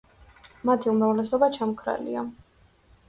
მათი უმრავლესობა ჩამქრალია.